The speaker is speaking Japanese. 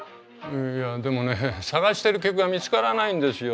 いやでもね探してる曲が見つからないんですよ。